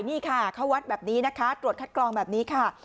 นี่ค่ะเขาวัดแบบนี้นะคะตรวจคัดกรองแบบนี้ค่ะ